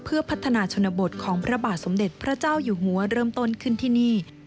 เพื่อพัฒนาชนบทของพระบาทสมเด็จพระเจ้าอยู่หัวเริ่มต้นขึ้นที่นี่